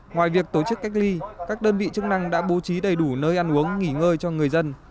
ngoài việc tổ chức cách ly các đơn vị chức năng đã bố trí đầy đủ nơi ăn uống nghỉ ngơi cho người dân